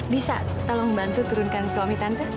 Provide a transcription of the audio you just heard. bisa tolong bantu turunkan suami tante